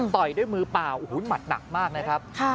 ต่อยด้วยมือเปล่าโอ้โหหมัดหนักมากนะครับ